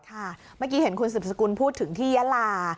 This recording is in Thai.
เมื่อกี้เห็นคุณสืบสกุลพูดถึงที่ยาลา